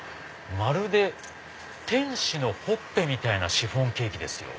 「まるで天使のほっぺみたいなシフォンケーキ」ですよ。